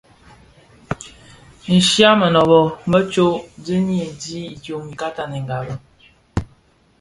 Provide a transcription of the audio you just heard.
Nshya mënöbö më tsô dhiyis di zi idyom ika tanèngabi.